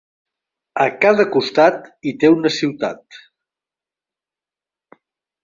A cada costat hi té una ciutat.